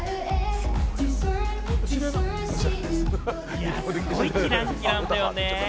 いや、すごいキラキラ感だよね。